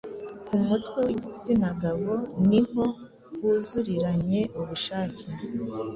ku mutwe w’igitsina gabo ni ho huzuriranye ubushake